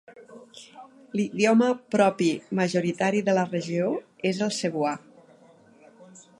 L'idioma propi majoritari de la regió és el cebuà.